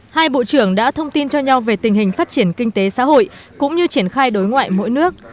hai bộ trưởng đã thông tin cho nhau về tình hình phát triển kinh tế xã hội cũng như triển khai đối ngoại mỗi nước